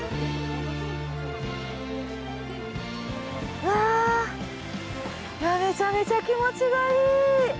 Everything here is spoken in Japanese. うわっ、めちゃめちゃ気持ちがいい。